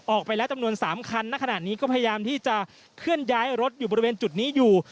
ออกไปแล้วจำนวน๓คันณขณะนี้ก็พยายามที่จะเคลื่อนย้ายรถอยู่บริเวณจุดนี้อยู่